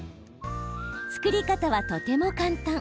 作り方は、とても簡単。